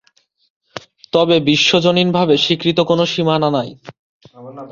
তবে বিশ্বজনীনভাবে স্বীকৃত কোনো সীমানা নেই।